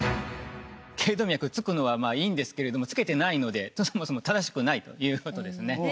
頸動脈突くのはまあいいんですけれども突けてないのでそもそも正しくないということですね。